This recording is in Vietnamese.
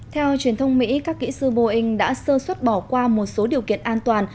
theo truyền thông mỹ các kỹ sư boeing đã sơ suất bỏ qua một số điều kiện an toàn